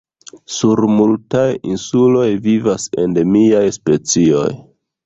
Sur multaj insuloj vivas endemiaj specioj.